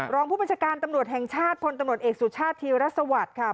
รองผู้บัญชาการตำรวจแห่งชาติพลตำรวจเอกสุชาติธีรสวัสดิ์ค่ะ